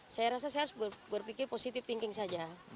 saya rasa saya harus berpikir positif thinking saja